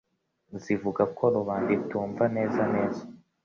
zivuga ko rubanda itumva neza neza